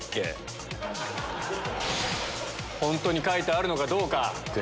本当に書いてあるのかどうか。